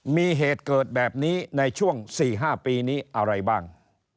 มีเหตุเกิดแบบนี้ในช่วง๔๕ปีนี้อะไรบ้าง